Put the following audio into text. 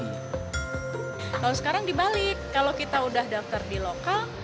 kalau sekarang dibalik kalau kita udah daftar di lokal